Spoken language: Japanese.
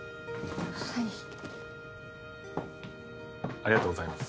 ありがとうございます。